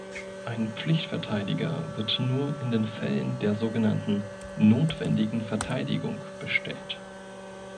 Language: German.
Ein Pflichtverteidiger wird nur in den Fällen der so genannten "notwendigen Verteidigung" bestellt.